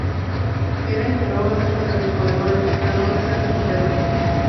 Él la interroga acerca de los Proveedores, pero no desea responderle.